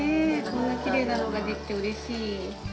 こんなきれいなのができて嬉しい。